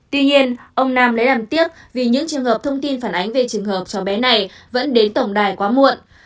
tuy nhiên ông nam lại làm tiếc vì những trường hợp thông tin phản ánh về trường hợp cháu bé này vẫn đến tổng đài quá muộn